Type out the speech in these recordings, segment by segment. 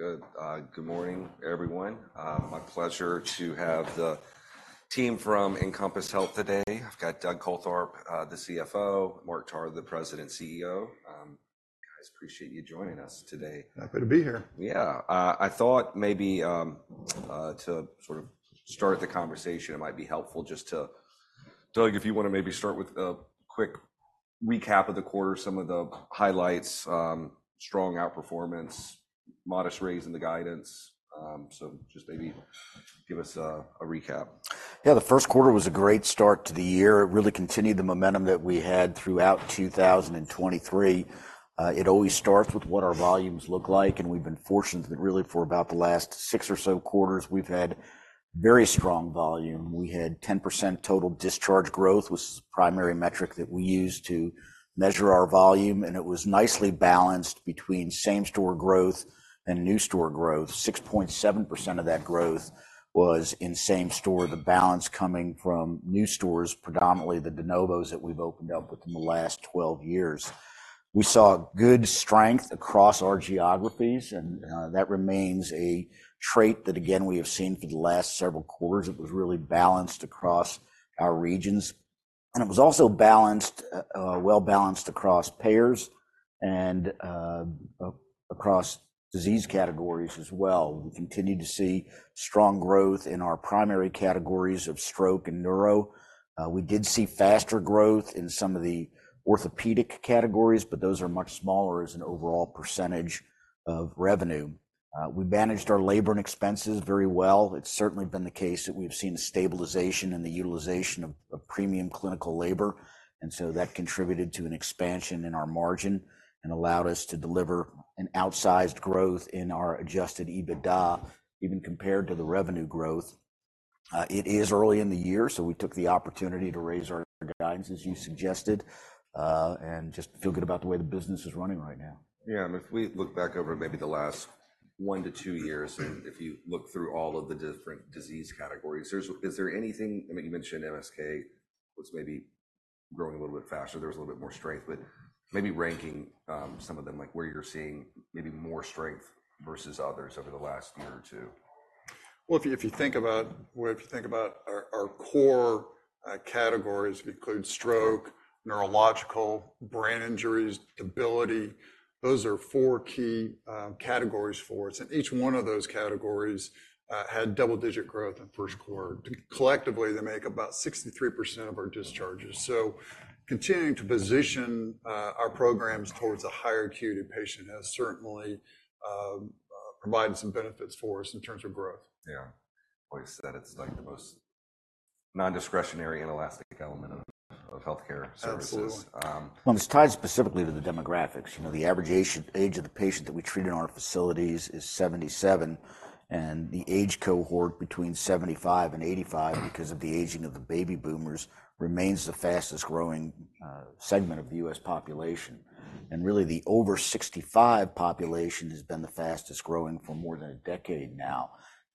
All right. Good, good morning, everyone. My pleasure to have the team from Encompass Health today. I've got Doug Coltharp, the CFO, Mark Tarr, the President and CEO. Guys, appreciate you joining us today. Happy to be here. Yeah. I thought maybe, to sort of start the conversation, it might be helpful just to, Doug, if you want to maybe start with a quick recap of the quarter, some of the highlights, strong outperformance, modest raise in the guidance, so just maybe give us a recap. Yeah, the first quarter was a great start to the year. It really continued the momentum that we had throughout 2023. It always starts with what our volumes look like, and we've been fortunate that really for about the last six or so quarters we've had very strong volume. We had 10% total discharge growth was the primary metric that we used to measure our volume, and it was nicely balanced between same-store growth and new-store growth. 6.7% of that growth was in same-store, the balance coming from new stores, predominantly the De Novos that we've opened up within the last 12 years. We saw good strength across our geographies, and that remains a trait that, again, we have seen for the last several quarters. It was really balanced across our regions, and it was also balanced, well-balanced across payers and across disease categories as well. We continue to see strong growth in our primary categories of stroke and neuro. We did see faster growth in some of the orthopedic categories, but those are much smaller as an overall percentage of revenue. We managed our labor and expenses very well. It's certainly been the case that we've seen a stabilization in the utilization of premium clinical labor, and so that contributed to an expansion in our margin and allowed us to deliver an outsized growth in our adjusted EBITDA, even compared to the revenue growth. It is early in the year, so we took the opportunity to raise our guidance, as you suggested, and just feel good about the way the business is running right now. Yeah. If we look back over maybe the last 1-2 years, and if you look through all of the different disease categories, is there anything? I mean, you mentioned MSK was maybe growing a little bit faster. There was a little bit more strength, but maybe ranking some of them, like where you're seeing maybe more strength versus others over the last year or two. Well, if you think about our core categories, we include stroke, neurological, brain injuries, debility. Those are four key categories for us. Each one of those categories had double-digit growth in the first quarter. Collectively, they make about 63% of our discharges. So continuing to position our programs towards a higher acuity patient has certainly provided some benefits for us in terms of growth. Yeah. Always said it's like the most nondiscretionary and elastic element of healthcare services. Absolutely. Well, it's tied specifically to the demographics. You know, the average age of the patient that we treat in our facilities is 77, and the age cohort between 75 and 85, because of the aging of the baby boomers, remains the fastest-growing segment of the U.S. population. And really, the over-65 population has been the fastest growing for more than a decade now.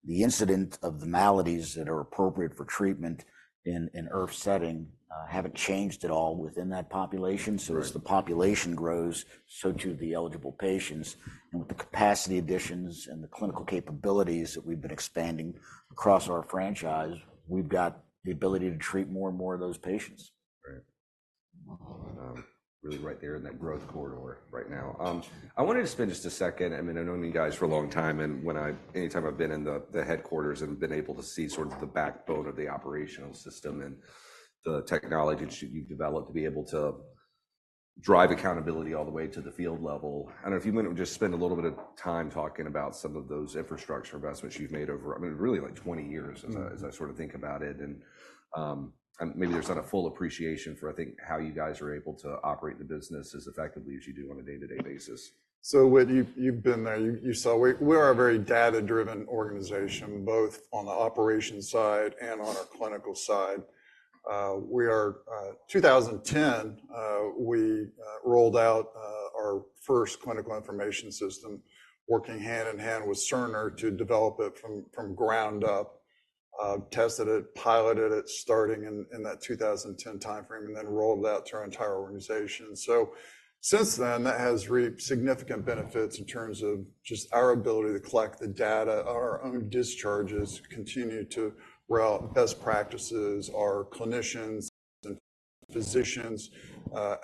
The incidence of the maladies that are appropriate for treatment in an IRF setting haven't changed at all within that population. So as the population grows, so too the eligible patients. And with the capacity additions and the clinical capabilities that we've been expanding across our franchise, we've got the ability to treat more and more of those patients. Right. Well, and really right there in that growth corridor right now. I wanted to spend just a second, I mean, I've known you guys for a long time, and when I, anytime I've been in the headquarters and been able to see sort of the backbone of the operational system and the technology that you've developed to be able to drive accountability all the way to the field level. I don't know if you might just spend a little bit of time talking about some of those infrastructure investments you've made over, I mean, really, like 20 years as I sort of think about it. And maybe there's not a full appreciation for, I think, how you guys are able to operate the business as effectively as you do on a day-to-day basis. So with you, you've been there. You, you saw we, we are a very data-driven organization, both on the operations side and on our clinical side. We are. In 2010, we rolled out our first clinical information system, working hand in hand with Cerner to develop it from ground up, tested it, piloted it starting in that 2010 timeframe, and then rolled it out to our entire organization. So since then, that has reaped significant benefits in terms of just our ability to collect the data on our own discharges, continue to route best practices. Our clinicians and physicians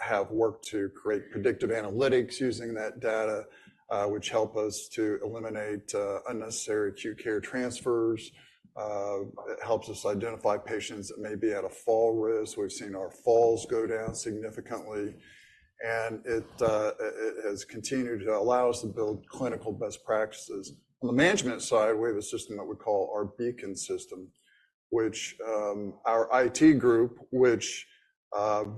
have worked to create predictive analytics using that data, which helps us eliminate unnecessary acute care transfers. It helps us identify patients that may be at a fall risk. We've seen our falls go down significantly, and it has continued to allow us to build clinical best practices. On the management side, we have a system that we call our Beacon system, which our IT group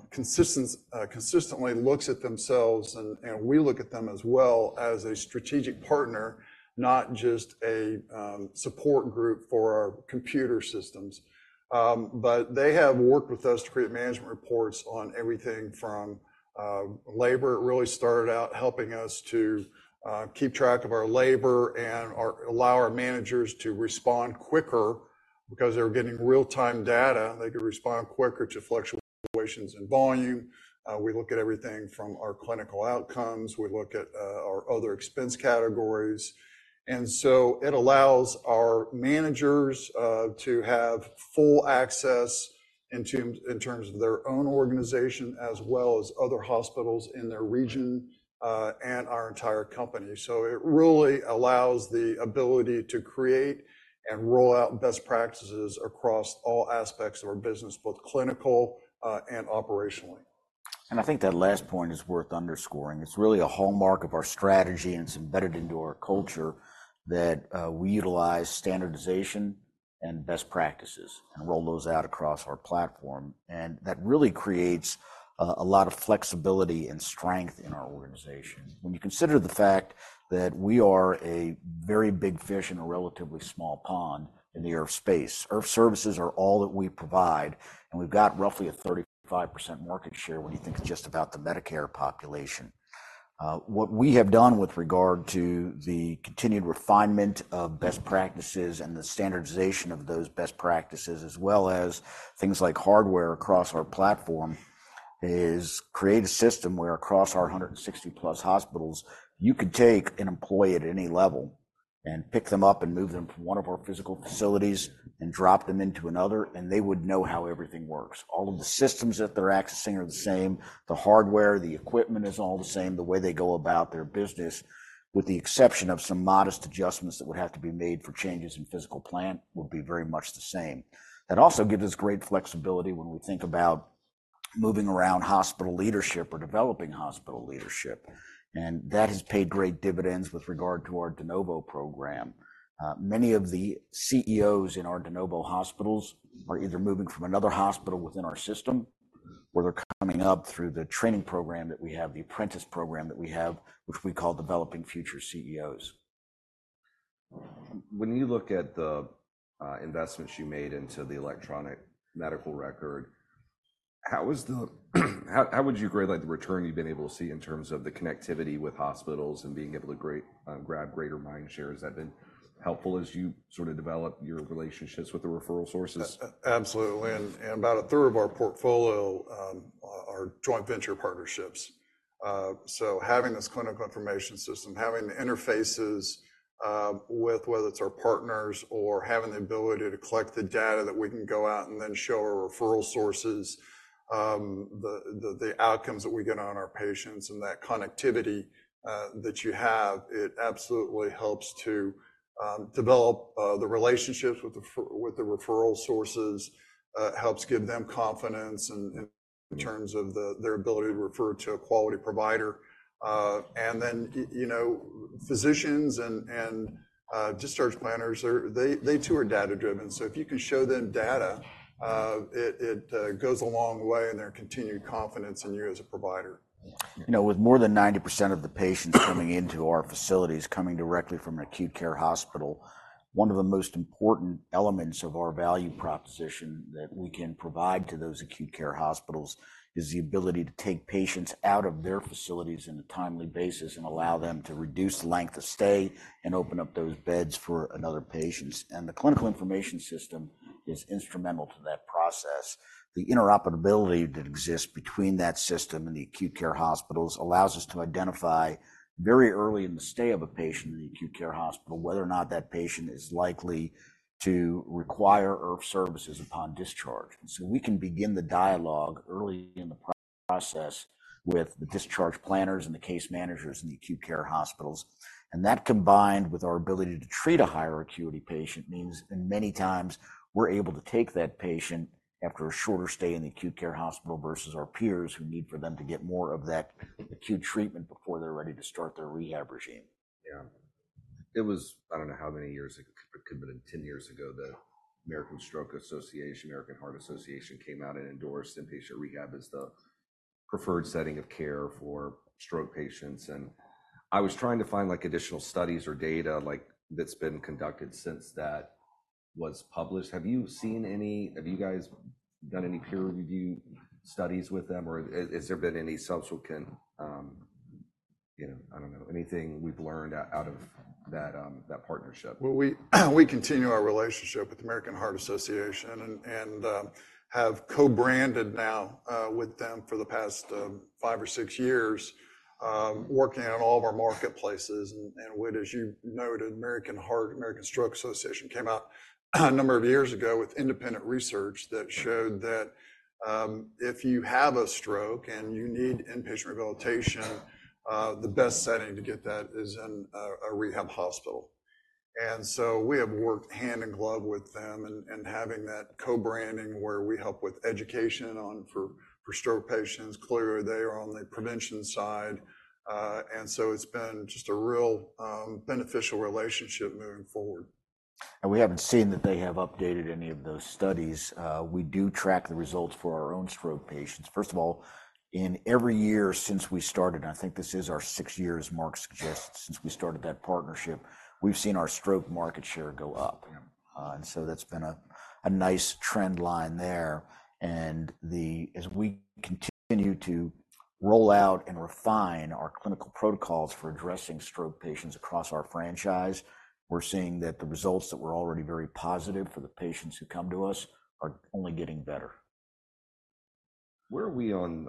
consistently looks at itself, and we look at them as a strategic partner, not just a support group for our computer systems. But they have worked with us to create management reports on everything from labor. It really started out helping us to keep track of our labor and allow our managers to respond quicker because they were getting real-time data. They could respond quicker to fluctuations in volume. We look at everything from our clinical outcomes. We look at our other expense categories. And so it allows our managers to have full access into, in terms of their own organization as well as other hospitals in their region, and our entire company. It really allows the ability to create and roll out best practices across all aspects of our business, both clinical and operationally. And I think that last point is worth underscoring. It's really a hallmark of our strategy and it's embedded into our culture that, we utilize standardization and best practices and roll those out across our platform. And that really creates, a lot of flexibility and strength in our organization. When you consider the fact that we are a very big fish in a relatively small pond in the IRF space, IRF services are all that we provide, and we've got roughly a 35% market share when you think just about the Medicare population. What we have done with regard to the continued refinement of best practices and the standardization of those best practices, as well as things like hardware across our platform, is create a system where across our 160+ hospitals, you could take an employee at any level and pick them up and move them from one of our physical facilities and drop them into another, and they would know how everything works. All of the systems that they're accessing are the same. The hardware, the equipment is all the same. The way they go about their business, with the exception of some modest adjustments that would have to be made for changes in physical plant, would be very much the same. That also gives us great flexibility when we think about moving around hospital leadership or developing hospital leadership. That has paid great dividends with regard to our program. Many of the CEOs in our De Novo hospitals are either moving from another hospital within our system, or they're coming up through the training program that we have, the apprentice program that we have, which we call Developing Future CEOs. When you look at the investments you made into the electronic medical record, how would you grade, like, the return you've been able to see in terms of the connectivity with hospitals and being able to grab greater mind share? Has that been helpful as you sort of develop your relationships with the referral sources? Absolutely. And about a 1/3 of our portfolio are joint venture partnerships. So having this clinical information system, having the interfaces with whether it's our partners or having the ability to collect the data that we can go out and then show our referral sources, the outcomes that we get on our patients and that connectivity that you have, it absolutely helps to develop the relationships with the referral sources, helps give them confidence in terms of their ability to refer to a quality provider. And then, you know, physicians and discharge planners, they too are data-driven. So if you can show them data, it goes a long way in their continued confidence in you as a provider. You know, with more than 90% of the patients coming into our facilities, coming directly from an acute care hospital, one of the most important elements of our value proposition that we can provide to those acute care hospitals is the ability to take patients out of their facilities on a timely basis and allow them to reduce the length of stay and open up those beds for another patient. And the clinical information system is instrumental to that process. The interoperability that exists between that system and the acute care hospitals allows us to identify very early in the stay of a patient in the acute care hospital whether or not that patient is likely to require IRF services upon discharge. And so we can begin the dialogue early in the process with the discharge planners and the case managers in the acute care hospitals. That, combined with our ability to treat a higher acuity patient, means that many times we're able to take that patient after a shorter stay in the acute care hospital versus our peers who need for them to get more of that acute treatment before they're ready to start their rehab regime. Yeah. It was, I don't know how many years ago, it could have been 10 years ago that American Stroke Association, American Heart Association, came out and endorsed inpatient rehab as the preferred setting of care for stroke patients. I was trying to find, like, additional studies or data, like, that's been conducted since that was published. Have you seen any, have you guys done any peer review studies with them, or has there been any subsequent, you know, I don't know, anything we've learned out of that, that partnership? Well, we continue our relationship with the American Heart Association and have co-branded now with them for the past five or six years, working on all of our marketplaces. And with, as you noted, American Heart, American Stroke Association came out a number of years ago with independent research that showed that if you have a stroke and you need inpatient rehabilitation, the best setting to get that is in a rehab hospital. And so we have worked hand in glove with them and having that co-branding where we help with education on, for stroke patients, clearly they are on the prevention side, and so it's been just a real beneficial relationship moving forward. We haven't seen that they have updated any of those studies. We do track the results for our own stroke patients. First of all, in every year since we started, and I think this is our sixth year as Mark suggests, since we started that partnership, we've seen our stroke market share go up. And so that's been a, a nice trend line there. And the, as we continue to roll out and refine our clinical protocols for addressing stroke patients across our franchise, we're seeing that the results that were already very positive for the patients who come to us are only getting better. Where are we on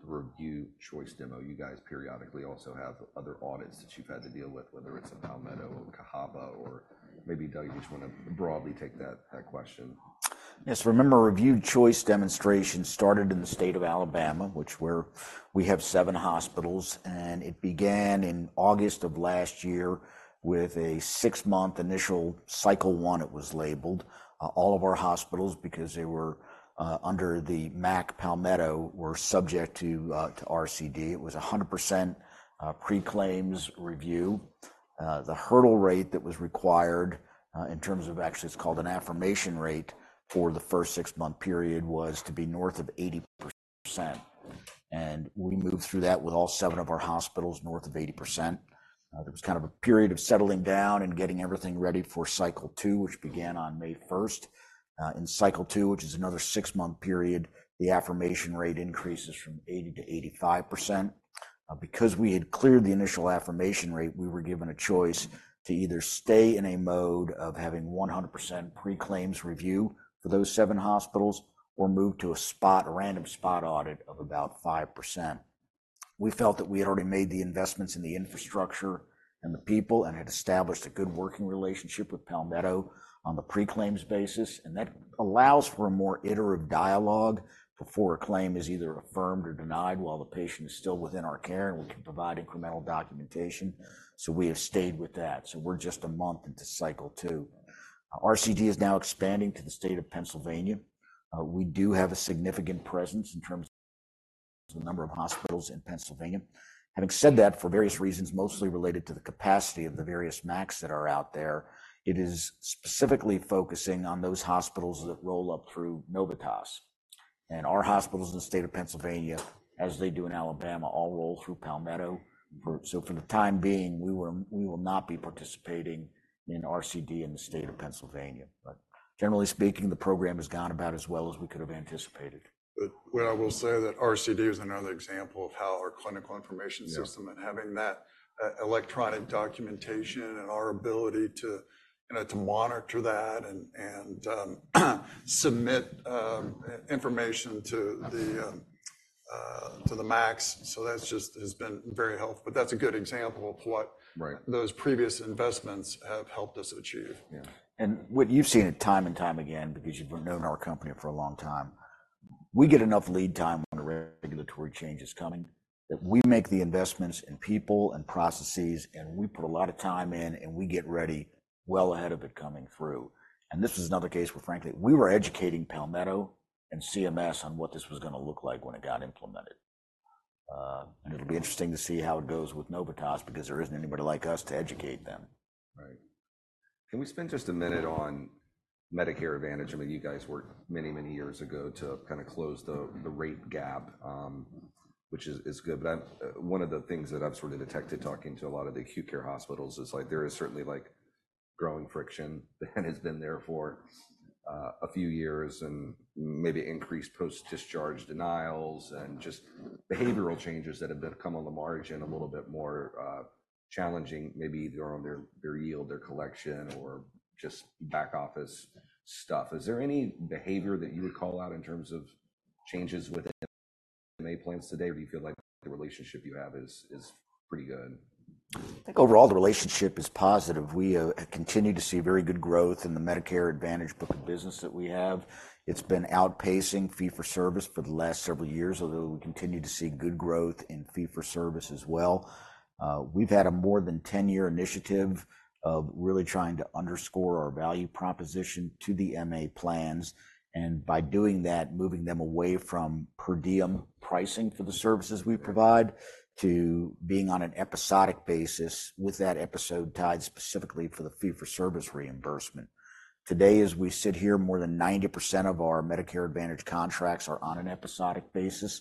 the Review Choice demo? You guys periodically also have other audits that you've had to deal with, whether it's in Palmetto, Cahaba, or maybe Doug, you just want to broadly take that question. Yes. Remember, Review Choice Demonstration started in the state of Alabama, which is where we have seven hospitals. And it began in August of last year with a 6-month initial Cycle 1, it was labeled, all of our hospitals, because they were, under the MAC Palmetto, were subject to, to RCD. It was 100% pre-claim review. The hurdle rate that was required, in terms of, actually, it's called an affirmation rate for the 1st 6-month period, was to be north of 80%. And we moved through that with all seven of our hospitals north of 80%. There was kind of a period of settling down and getting everything ready for Cycle 2, which began on May 1st. In Cycle 2, which is another 6-month period, the affirmation rate increases from 80% to 85%. Because we had cleared the initial affirmation rate, we were given a choice to either stay in a mode of having 100% pre-claims review for those seven hospitals or move to a spot, a random spot audit of about 5%. We felt that we had already made the investments in the infrastructure and the people and had established a good working relationship with Palmetto on the pre-claims basis. And that allows for a more iterative dialogue before a claim is either affirmed or denied while the patient is still within our care and we can provide incremental documentation. So we have stayed with that. So we're just a month into Cycle 2. RCD is now expanding to the state of Pennsylvania. We do have a significant presence in terms of the number of hospitals in Pennsylvania. Having said that, for various reasons, mostly related to the capacity of the various MACs that are out there, it is specifically focusing on those hospitals that roll up through Novitas. Our hospitals in the state of Pennsylvania, as they do in Alabama, all roll through Palmetto. For the time being, we will not be participating in RCD in the state of Pennsylvania. But generally speaking, the program has gone about as well as we could have anticipated. What I will say is that RCD is another example of how our clinical information system and having that electronic documentation and our ability to, you know, to monitor that and submit information to the MACs. So that's just has been very helpful. That's a good example of what those previous investments have helped us achieve. Yeah. And what you've seen it time and time again, because you've known our company for a long time, we get enough lead time when the regulatory change is coming that we make the investments in people and processes, and we put a lot of time in, and we get ready well ahead of it coming through. And this is another case where, frankly, we were educating Palmetto and CMS on what this was going to look like when it got implemented. And it'll be interesting to see how it goes with Novitas because there isn't anybody like us to educate them. Right. Can we spend just a minute on Medicare Advantage? I mean, you guys worked many, many years ago to kind of close the, the rate gap, which is, is good. But I'm, one of the things that I've sort of detected talking to a lot of the acute care hospitals is, like, there is certainly, like, growing friction that has been there for, a few years and maybe increased post-discharge denials and just behavioral changes that have become on the margin a little bit more challenging, maybe either on their, their yield, their collection, or just back-office stuff. Is there any behavior that you would call out in terms of changes within MA plans today, or do you feel like the relationship you have is, is pretty good? I think overall the relationship is positive. We continue to see very good growth in the Medicare Advantage book of business that we have. It's been outpacing fee-for-service for the last several years, although we continue to see good growth in fee-for-service as well. We've had a more than 10-year initiative of really trying to underscore our value proposition to the MA plans. By doing that, moving them away from per diem pricing for the services we provide to being on an episodic basis with that episode tied specifically for the fee-for-service reimbursement. Today, as we sit here, more than 90% of our Medicare Advantage contracts are on an episodic basis.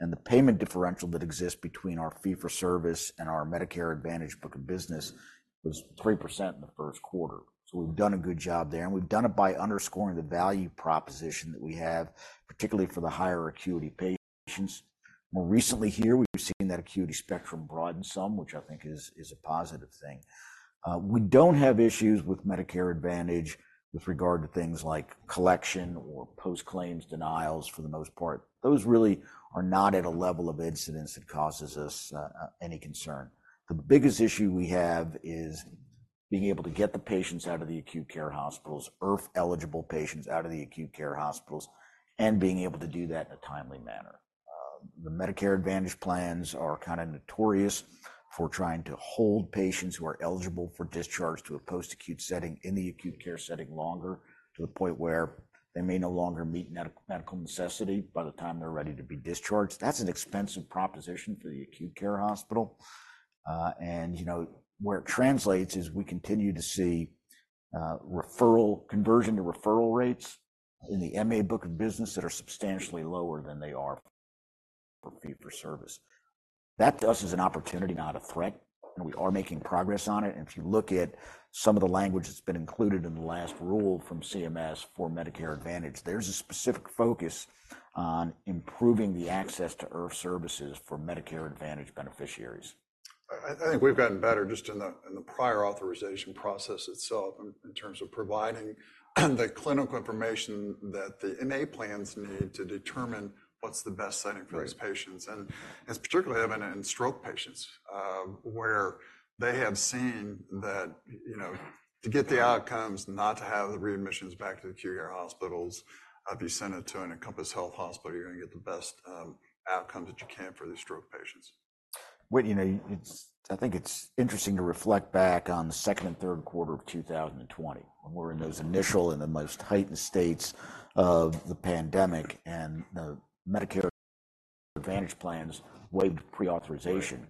The payment differential that exists between our fee-for-service and our Medicare Advantage book of business was 3% in the first quarter. We've done a good job there. And we've done it by underscoring the value proposition that we have, particularly for the higher acuity patients. More recently here, we've seen that acuity spectrum broaden some, which I think is a positive thing. We don't have issues with Medicare Advantage with regard to things like collection or post-claims denials for the most part. Those really are not at a level of incidence that causes us any concern. The biggest issue we have is being able to get the patients out of the acute care hospitals, IRF-eligible patients out of the acute care hospitals, and being able to do that in a timely manner. The Medicare Advantage plans are kind of notorious for trying to hold patients who are eligible for discharge to a post-acute setting in the acute care setting longer to the point where they may no longer meet medical necessity by the time they're ready to be discharged. That's an expensive proposition for the acute care hospital. You know, where it translates is we continue to see referral conversion to referral rates in the MA book of business that are substantially lower than they are for fee-for-service. That to us is an opportunity, not a threat. We are making progress on it. If you look at some of the language that's been included in the last rule from CMS for Medicare Advantage, there's a specific focus on improving the access to IRF services for Medicare Advantage beneficiaries. I think we've gotten better just in the prior authorization process itself in terms of providing the clinical information that the MA plans need to determine what's the best setting for these patients. It's particularly evident in stroke patients, where they have seen that, you know, to get the outcomes, not to have the readmissions back to the acute care hospitals, if you send it to an Encompass Health Hospital, you're going to get the best outcomes that you can for these stroke patients. You know, it's, I think it's interesting to reflect back on the second and third quarter of 2020 when we were in those initial and the most heightened states of the pandemic and the Medicare Advantage plans waived pre-authorization.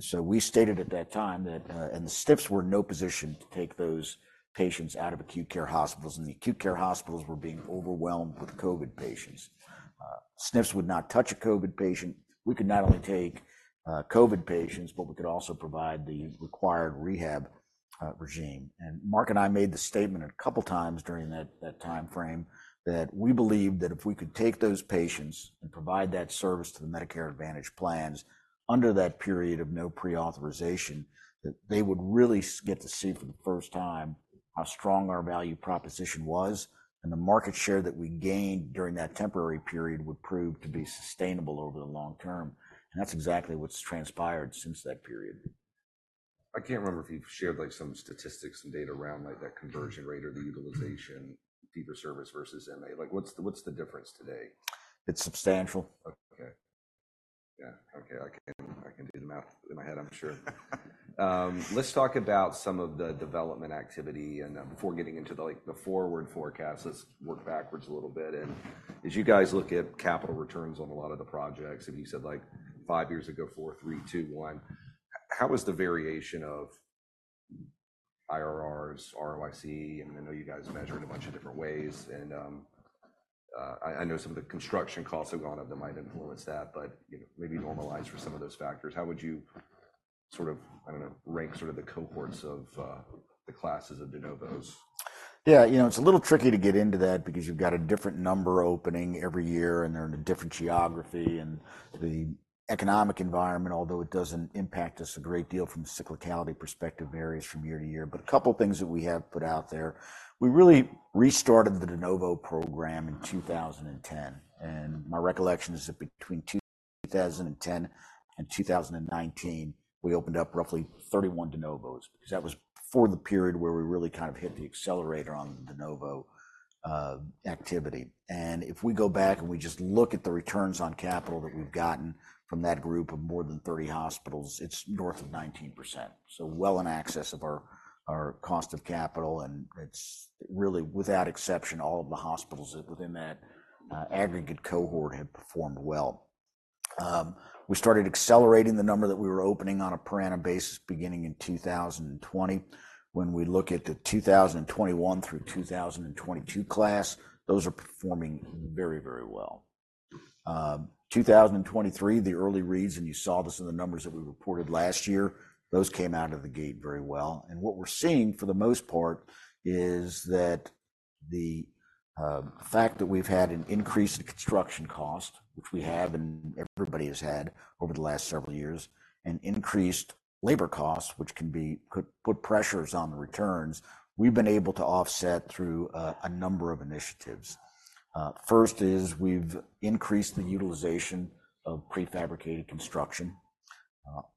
So we stated at that time that the SNFs were in no position to take those patients out of acute care hospitals. And the acute care hospitals were being overwhelmed with COVID patients. SNFs would not touch a COVID patient. We could not only take COVID patients, but we could also provide the required rehab regimen. Mark and I made the statement a couple of times during that timeframe that we believed that if we could take those patients and provide that service to the Medicare Advantage plans under that period of no pre-authorization, that they would really get to see for the first time how strong our value proposition was and the market share that we gained during that temporary period would prove to be sustainable over the long term. That's exactly what's transpired since that period. I can't remember if you've shared, like, some statistics, some data around, like, that conversion rate or the utilization, fee-for-service versus MA. Like, what's the difference today? It's substantial. Okay. Yeah. Okay. I can do the math in my head, I'm sure. Let's talk about some of the development activity. Before getting into, like, the forward forecast, let's work backwards a little bit. As you guys look at capital returns on a lot of the projects, and you said, like, five years ago, four, three, two, one, how was the variation of IRRs, ROIC? I know some of the construction costs have gone up. That might influence that. But, you know, maybe normalize for some of those factors. How would you sort of, I don't know, rank sort of the cohorts of, the classes of De Novos? Yeah. You know, it's a little tricky to get into that because you've got a different number opening every year, and they're in a different geography. And the economic environment, although it doesn't impact us a great deal from a cyclicality perspective, varies from year to year. But a couple of things that we have put out there, we really restarted the De Novo program in 2010. And my recollection is that between 2010 and 2019, we opened up roughly 31 De Novos. That was before the period where we really kind of hit the accelerator on the De Novo activity. And if we go back and we just look at the returns on capital that we've gotten from that group of more than 30 hospitals, it's north of 19%. So well in excess of our cost of capital. It's really, without exception, all of the hospitals within that aggregate cohort have performed well. We started accelerating the number that we were opening on a per annum basis beginning in 2020. When we look at the 2021 through 2022 class, those are performing very, very well. 2023, the early reads, and you saw this in the numbers that we reported last year, those came out of the gate very well. What we're seeing for the most part is that the fact that we've had an increase in construction cost, which we have and everybody has had over the last several years, an increased labor cost, which can be put pressures on the returns, we've been able to offset through a number of initiatives. First is we've increased the utilization of prefabricated construction.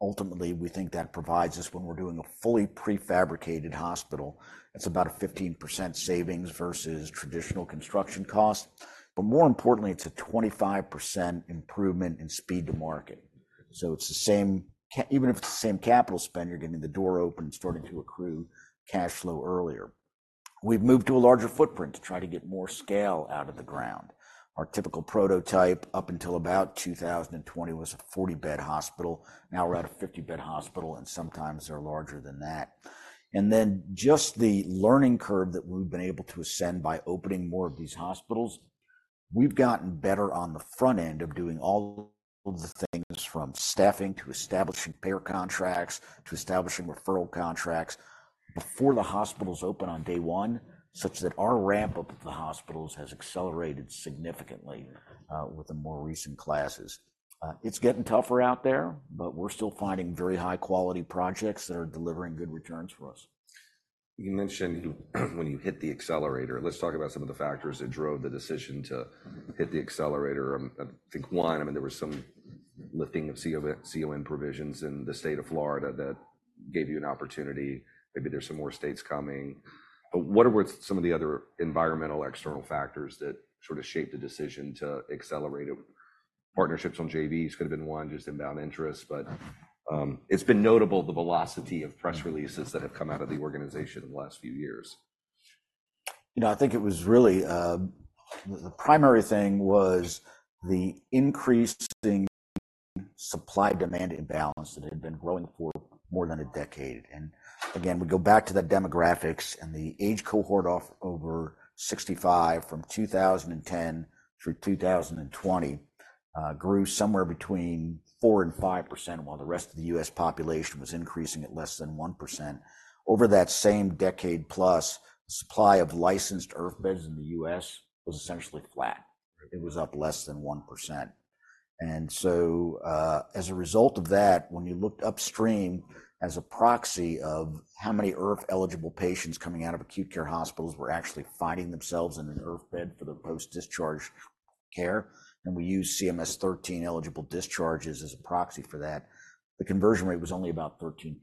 Ultimately, we think that provides us, when we're doing a fully prefabricated hospital, it's about a 15% savings versus traditional construction cost. But more importantly, it's a 25% improvement in speed to market. So it's the same, even if it's the same capital spend, you're getting the door open and starting to accrue cash flow earlier. We've moved to a larger footprint to try to get more scale out of the ground. Our typical prototype up until about 2020 was a 40-bed hospital. Now we're at a 50-bed hospital, and sometimes they're larger than that. And then just the learning curve that we've been able to ascend by opening more of these hospitals, we've gotten better on the front end of doing all the things from staffing to establishing payer contracts to establishing referral contracts before the hospitals open on day one, such that our ramp-up of the hospitals has accelerated significantly, with the more recent classes. It's getting tougher out there, but we're still finding very high-quality projects that are delivering good returns for us. You mentioned you, when you hit the accelerator, let's talk about some of the factors that drove the decision to hit the accelerator. I think one, I mean, there was some lifting of COVID, CON provisions in the state of Florida that gave you an opportunity. Maybe there's some more states coming. But what are some of the other environmental external factors that sort of shaped the decision to accelerate it? Partnerships on JVs could have been one, just inbound interest. But it's been notable the velocity of press releases that have come out of the organization the last few years. You know, I think it was really, the primary thing was the increasing supply-demand imbalance that had been growing for more than a decade. And again, we go back to the demographics, and the age cohort of over 65 from 2010 through 2020, grew somewhere between 4%-5%, while the rest of the U.S. population was increasing at less than 1%. Over that same decade-plus, the supply of licensed IRF beds in the U.S. was essentially flat. It was up less than 1%. And so, as a result of that, when you looked upstream as a proxy of how many IRF-eligible patients coming out of acute care hospitals were actually finding themselves in an IRF bed for their post-discharge care, and we used CMS-13 eligible discharges as a proxy for that, the conversion rate was only about 13%.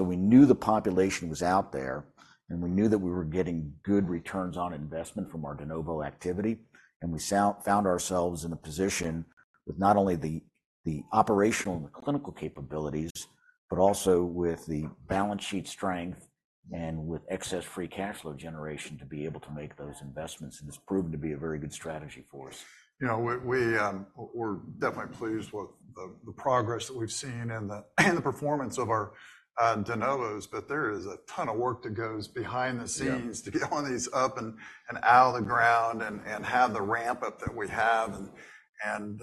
We knew the population was out there, and we knew that we were getting good returns on investment from our De Novo activity. We found ourselves in a position with not only the operational and the clinical capabilities, but also with the balance sheet strength and with excess free cash flow generation to be able to make those investments. It's proven to be a very good strategy for us. You know, we're definitely pleased with the progress that we've seen and the performance of our De Novos. But there is a ton of work that goes behind the scenes to get all these up and out of the ground and have the ramp-up that we have. And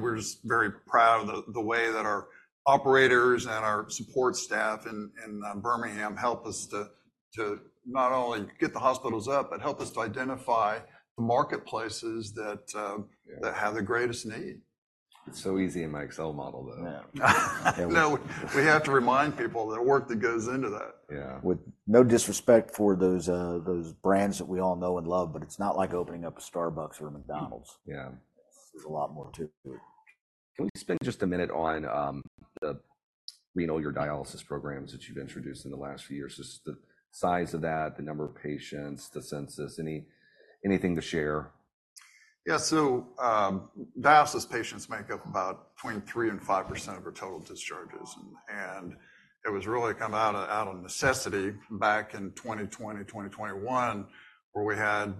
we're just very proud of the way that our operators and our support staff in Birmingham help us to not only get the hospitals up, but help us to identify the marketplaces that have the greatest need. It's so easy in my Excel model, though. Yeah. No, we have to remind people there's work that goes into that. Yeah. With no disrespect for those brands that we all know and love, but it's not like opening up a Starbucks or a McDonald's. Yeah. There's a lot more to it. Can we spend just a minute on the renal, our dialysis programs that you've introduced in the last few years? Just the size of that, the number of patients, the census, any, anything to share? Yeah. So, dialysis patients make up about between 3%-5% of our total discharges. And it was really come out of out of necessity back in 2020, 2021, where we had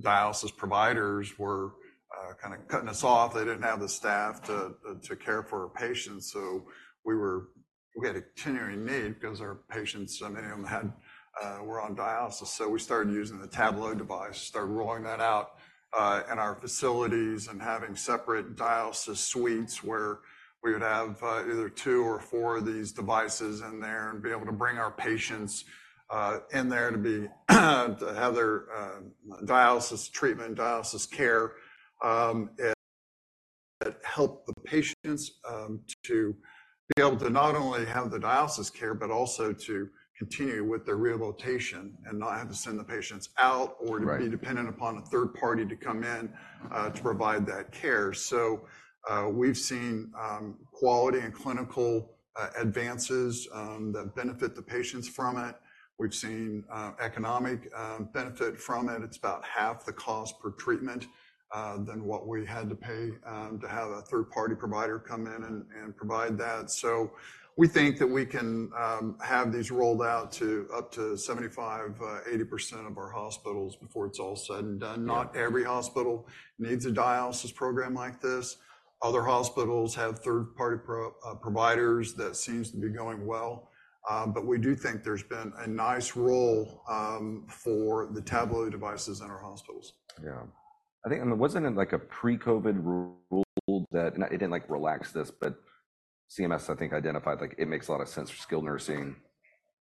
dialysis providers were kind of cutting us off. They didn't have the staff to care for our patients. So we were. We had a continuing need because our patients, many of them had were on dialysis. So we started using the Tablo device, started rolling that out, in our facilities and having separate dialysis suites where we would have either two or four of these devices in there and be able to bring our patients in there to be to have their dialysis treatment, dialysis care, that help the patients to be able to not only have the dialysis care but also to continue with their rehabilitation and not have to send the patients out or be dependent upon a third party to come in to provide that care. So we've seen quality and clinical advances that benefit the patients from it. We've seen economic benefit from it. It's about half the cost per treatment than what we had to pay to have a third-party provider come in and provide that. So we think that we can have these rolled out to up to 75%-80% of our hospitals before it's all said and done. Not every hospital needs a dialysis program like this. Other hospitals have third-party providers that seems to be going well. But we do think there's been a nice roll for the Tablo devices in our hospitals. Yeah. I think, I mean, wasn't it like a pre-COVID rule that, and it didn't, like, relax this, but CMS, I think, identified, like, it makes a lot of sense for skilled nursing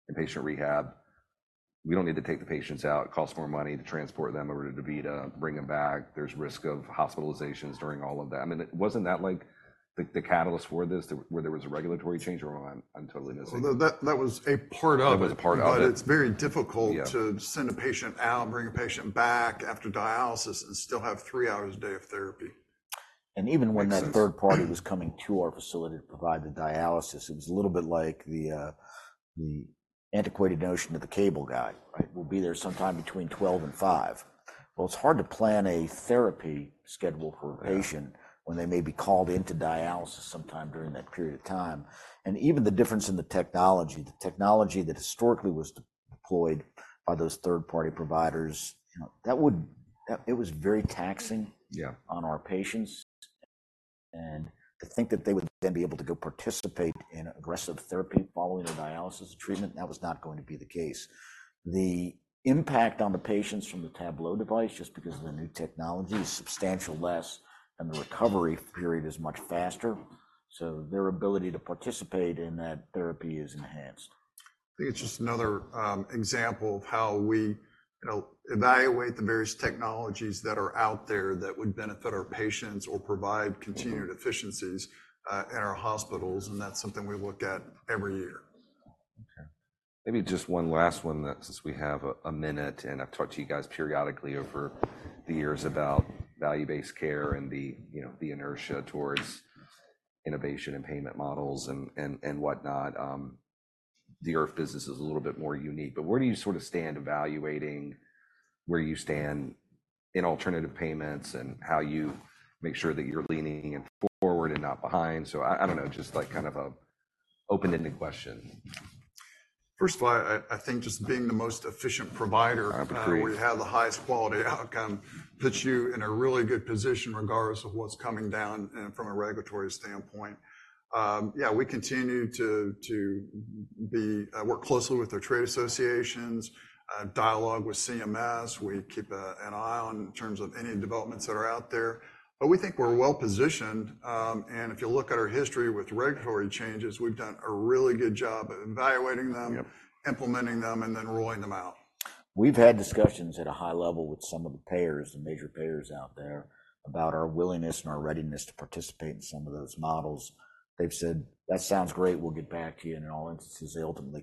and patient rehab. We don't need to take the patients out. It costs more money to transport them over to DaVita, bring them back. There's risk of hospitalizations during all of that. I mean, wasn't that, like, the catalyst for this, where there was a regulatory change? Or am I totally missing? Well, that was a part of it. That was a part of it. But it's very difficult to send a patient out, bring a patient back after dialysis, and still have three hours a day of therapy. And even when that third party was coming to our facility to provide the dialysis, it was a little bit like the antiquated notion of the cable guy, right? We'll be there sometime between 12:00 P.M. and 5:00 P.M. Well, it's hard to plan a therapy schedule for a patient when they may be called into dialysis sometime during that period of time. And even the difference in the technology, the technology that historically was deployed by those third-party providers, you know, that would, it was very taxing on our patients. And to think that they would then be able to go participate in aggressive therapy following their dialysis treatment, that was not going to be the case. The impact on the patients from the Tablo device, just because of the new technology, is substantial less, and the recovery period is much faster. Their ability to participate in that therapy is enhanced. I think it's just another example of how we, you know, evaluate the various technologies that are out there that would benefit our patients or provide continued efficiencies in our hospitals. And that's something we look at every year. Okay. Maybe just one last one that, since we have a minute, and I've talked to you guys periodically over the years about value-based care and the, you know, the inertia towards innovation and payment models and, and, and whatnot. The IRF business is a little bit more unique. But where do you sort of stand evaluating where you stand in alternative payments and how you make sure that you're leaning forward and not behind? So I, I don't know, just, like, kind of an open-ended question. First of all, I think just being the most efficient provider. I agree. We have the highest quality outcome, puts you in a really good position regardless of what's coming down from a regulatory standpoint. Yeah, we continue to work closely with our trade associations, dialogue with CMS. We keep an eye on, in terms of any developments that are out there. But we think we're well positioned. And if you look at our history with regulatory changes, we've done a really good job of evaluating them, implementing them, and then rolling them out. We've had discussions at a high level with some of the payers, the major payers out there, about our willingness and our readiness to participate in some of those models. They've said, "That sounds great. We'll get back to you." And in all instances, they ultimately.